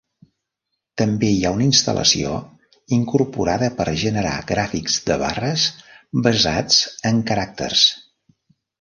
També hi ha una instal·lació incorporada per generar gràfics de barres basats en caràcters.